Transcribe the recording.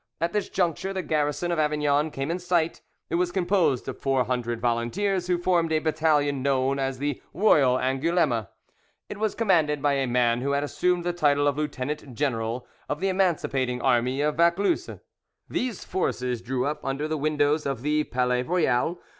At this juncture the garrison of Avignon came in sight; it was composed of four hundred volunteers, who formed a battalion known as the Royal Angouleme. It was commanded by a man who had assumed the title of Lieutenant General of the Emancipating Army of Vaucluse. These forces drew up under the windows of the "Palais Royal."